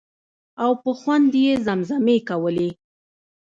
او په خوند یې زمزمې کولې.